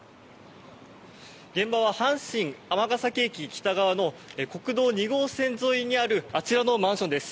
現場は阪神尼崎駅北側の国道２号線沿いにあるあちらのマンションです。